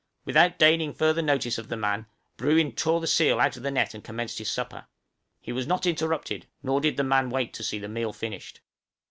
without deigning further notice of the man, Bruin tore the seal out of the net and commenced his supper. He was not interrupted; nor did the man wait to see the meal finished.